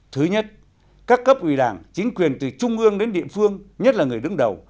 thứ nhất các cấp ủy đảng chính quyền từ trung ương đến địa phương nhất là người đứng đầu